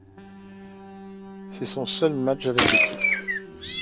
C'est son seul match avec l'équipe.